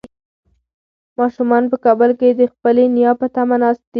ماشومان په کابل کې د خپلې نیا په تمه ناست دي.